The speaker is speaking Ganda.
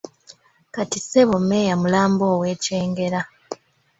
Kati ssebo mmeeya mulamba ow’e Kyengera.